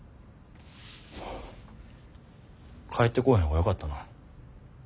帰ってこうへん方がよかったな。